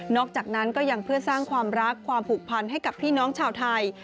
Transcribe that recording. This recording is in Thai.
อกจากนั้นก็ยังเพื่อสร้างความรักความผูกพันให้กับพี่น้องชาวไทย